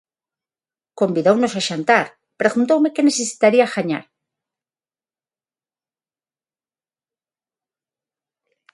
Convidounos a xantar, preguntoume que necesitaría gañar.